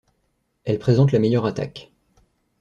Elle présente la meilleure attaque.